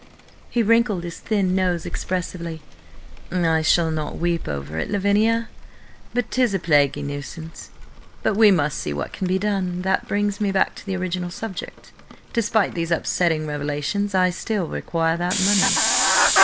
He wrinkled his thin nose expressively. "I shall not weep over it, Lavinia, but 'tis a plaguey nuisance. But we must see what can be done. And that brings me back to the original subject. Despite these upsetting revelations, I still require that money."